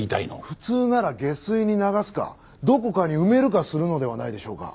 普通なら下水に流すかどこかに埋めるかするのではないでしょうか？